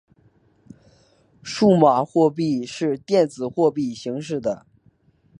数码货币是电子货币形式的。